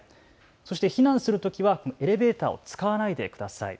そして避難するときはエレベーターを使わないでください。